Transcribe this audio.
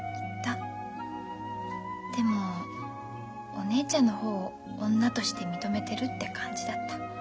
でもお姉ちゃんの方を女として認めてるって感じだった。